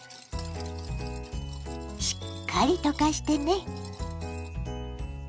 しっかり溶かしてね。